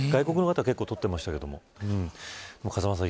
外国の方は結構取ってましたけど。